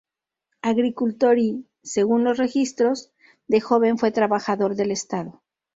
Agricultor y, según los registros, de joven fue trabajador del Estado.